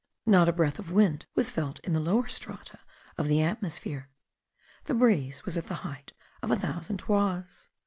Not a breath of wind was felt in the lower strata of the atmosphere; the breeze was at the height of a thousand toises.